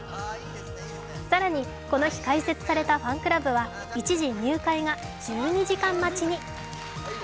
更にこの日開設されたファンクラブは一時、入会が１２時間待ちに。